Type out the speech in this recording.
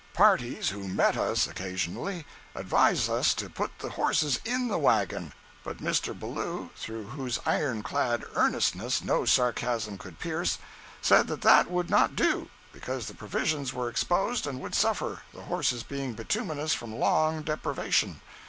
Parties who met us, occasionally, advised us to put the horses in the wagon, but Mr. Ballou, through whose iron clad earnestness no sarcasm could pierce, said that that would not do, because the provisions were exposed and would suffer, the horses being "bituminous from long deprivation."